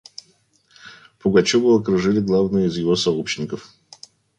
Пугачева окружили главные из его сообщников.